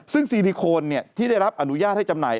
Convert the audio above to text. ซึ่งซีลิโคนที่ได้รับอนุญาตให้จำหน่าย